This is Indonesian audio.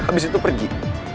habis itu pergi